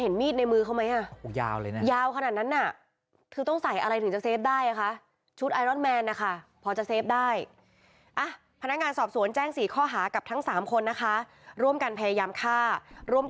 อันนี้หนูเซฟเป็นที่แล้วแต่เหตุการณ์วันนี้มันเกินที่หนูจะเซฟแล้ว